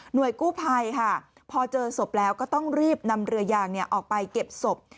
โดยกู้ภัยค่ะพอเจอศพแล้วก็ต้องรีบนำเรือยางออกไปเก็บศพ